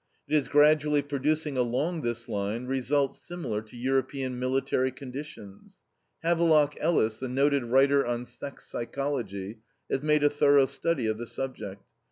It is gradually producing along this line results similar to European military conditions. Havelock Ellis, the noted writer on sex psychology, has made a thorough study of the subject.